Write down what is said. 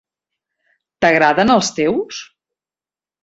T'agraden els teus.?